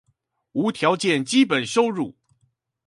無條件基本收入